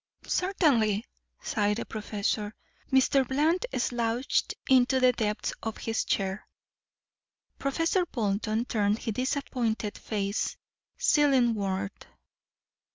"Certainly," sighed the professor. Mr. Bland slouched into the depths of his chair. Professor Bolton turned his disappointed face ceilingward.